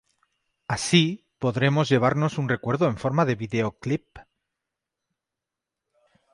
Así podremos llevarnos un recuerdo en forma de videoclip".